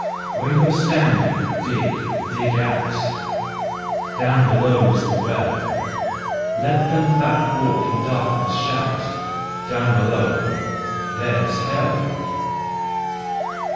Where you're standing, dig, dig out: Down below's the Well: Let them that walk in darkness shout: " Down below—there's Hell!